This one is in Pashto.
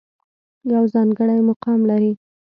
يو ځانګړے مقام لري